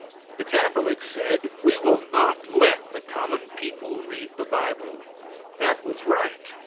The Catholics said, "We will not let the common people read the bible." That was right.